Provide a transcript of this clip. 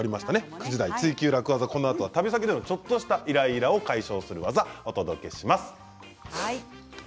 ９時台「ツイＱ楽ワザ」旅先でのちょっとしたイライラを解消する技をお伝えします。